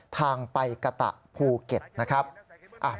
ทางไปกะตะภูเก็ตนะครับ